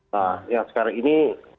nah yang sekarang ini